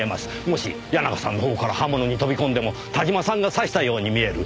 もし谷中さんのほうから刃物に飛び込んでも田島さんが刺したように見える。